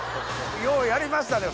ようやりましたね